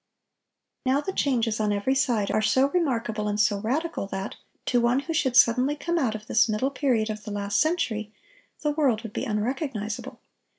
Now the changes, on every side, are so remarkable and so radical that, to one who should suddenly come out of this middle period of the last century, ... the world would be unrecognizable.